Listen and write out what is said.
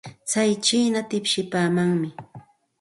Tsay chiina tipsipaamanmi.